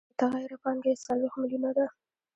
متغیره پانګه یې څلوېښت میلیونه ده